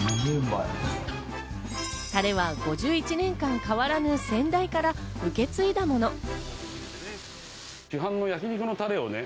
タレは５１年間変わらぬ、先代から受け継いだもの。